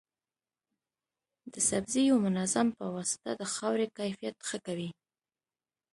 د سبزیو منظم پواسطه د خاورې کیفیت ښه کوي.